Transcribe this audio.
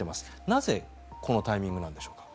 なぜこのタイミングなんでしょうか。